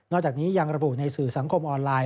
จากนี้ยังระบุในสื่อสังคมออนไลน์